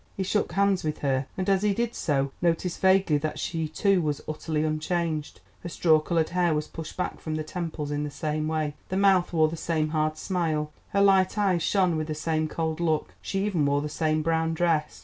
He shook hands with her, and as he did so, noticed vaguely that she too was utterly unchanged. Her straw coloured hair was pushed back from the temples in the same way, the mouth wore the same hard smile, her light eyes shone with the same cold look; she even wore the same brown dress.